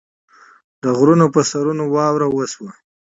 د غرونو پۀ سرونو واوره وشوه